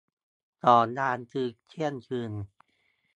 สองยาม คือเที่ยงคืน